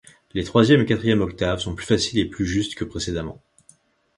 Les troisième et quatrième octaves sont plus faciles et plus justes que précédemment.